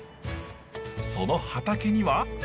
その畑には。